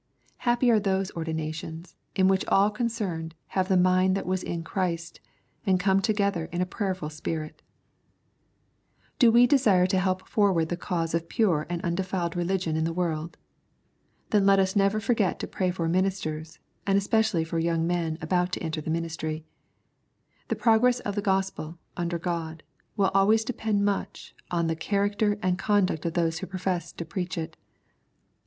— Happy are those ordinations, in which all concerned have the mind that was in Christ, m and come together in a prayerful spirit 1 Do we desire to help forward the cause of pure and undefiled religion in the world ? Then let us never forget to pray for ministers, and especially for young men about to enter the ministry. The progress of the Gospel, under God, will always depend much on the char acter and conduct of those who profess to preach it.